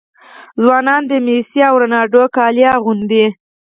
ځوانان د میسي او رونالډو کالي اغوندي.